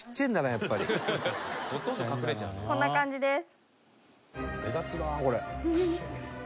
こんな感じです。